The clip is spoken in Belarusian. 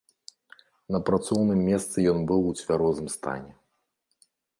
На працоўным месцы ён быў у цвярозым стане.